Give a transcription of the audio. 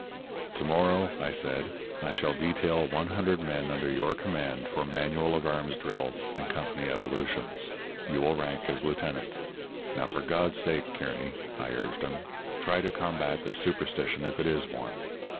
"'To morrow,' I said, 'I shall detail one hundred men under your command for manual of arms drill and company evolutions. You will rank as lieutenant. Now, for God's sake, Kearny,' I urged him, 'try to combat this superstition if it is one.